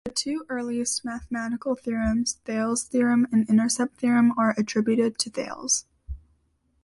The two earliest mathematical theorems, Thales' theorem and Intercept theorem are attributed to Thales.